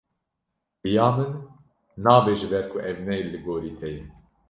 Bi ya min nabe ji ber ku ev ne li gorî te ye.